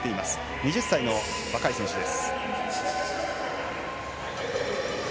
２０歳の若い選手です。